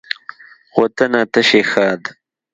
وطنه ته شي ښاد